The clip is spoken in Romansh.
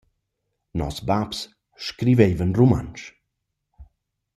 Noss baps scrivaivan rumantsch.